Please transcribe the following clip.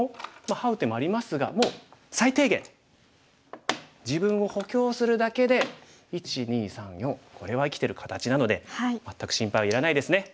ハウ手もありますがもう最低限自分を補強するだけで１２３４これは生きてる形なので全く心配はいらないですね。